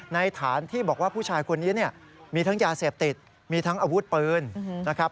ฐานที่บอกว่าผู้ชายคนนี้เนี่ยมีทั้งยาเสพติดมีทั้งอาวุธปืนนะครับ